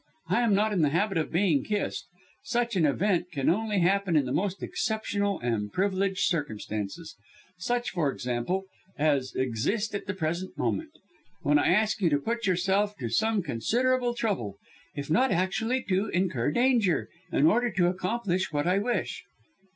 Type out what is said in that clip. "I am not in the habit of being kissed. Such an event can only happen in the most exceptional and privileged circumstances such, for example, as exist at the present moment, when I ask you to put yourself to some considerable trouble if not actually to incur danger in order to accomplish what I wish."